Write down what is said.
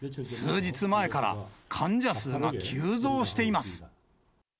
数日前から患者数が急増しています。